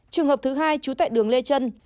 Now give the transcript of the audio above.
trường hợp thứ hai trú tại đường lê trân